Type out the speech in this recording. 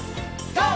ＧＯ！